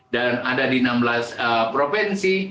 dan ada di enam belas provinsi